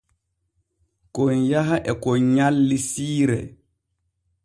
Kon yaha e kon nyalli siire.